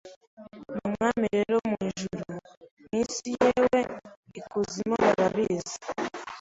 Ni Umwami rero mu ijuru, mu isi yewe ,ikuzimu barabizi.